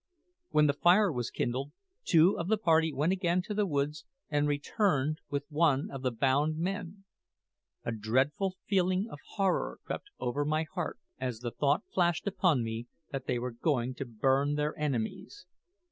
When the fire was kindled, two of the party went again to the woods and returned with one of the bound men. A dreadful feeling of horror crept over my heart as the thought flashed upon me that they were going to burn their enemies.